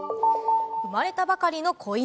生まれたばかりの子犬。